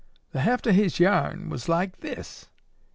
"The heft o' his yarn was like this.